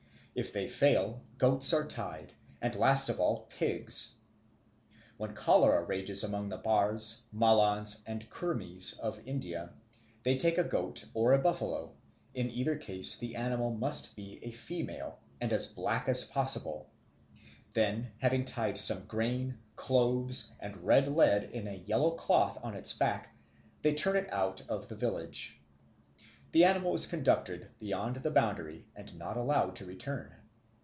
If they fail, goats are tried, and last of all pigs. When cholera rages among the Bhars, Mallans, and Kurmis of India, they take a goat or a buffalo in either case the animal must be a female, and as black as possible then having tied some grain, cloves, and red lead in a yellow cloth on its back they turn it out of the village. The animal is conducted beyond the boundary and not allowed to return.